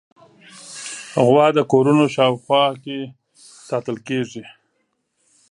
غوا د کورونو شاوخوا کې ساتل کېږي.